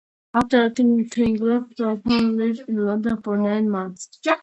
After returning to England, Felton lived in London for nine months.